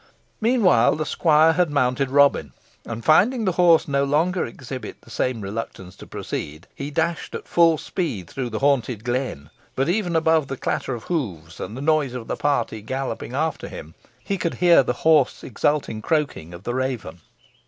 Meanwhile the squire had mounted Robin, and, finding the horse no longer exhibit the same reluctance to proceed, he dashed at full speed through the haunted glen; but even above the clatter, of hoofs, and the noise of the party galloping after him, he could hear the hoarse exulting croaking of the raven.